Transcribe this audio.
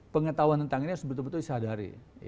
pengetahuan tentang ini harus betul betul disadari